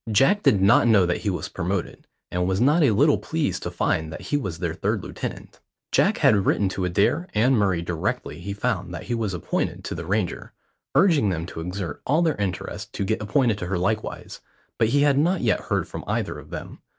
Jack did not know that he was promoted, and was not a little pleased to find that he was their third lieutenant. Jack had written to Adair and Murray directly he found that he was appointed to the Ranger, urging them to exert all their interest to get appointed to her likewise, but he had not yet heard from either of them.